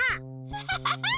ハハハハ！